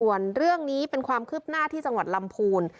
ส่วนเรื่องนี้เป็นความคืบหน้าที่จังหวัดลำพูน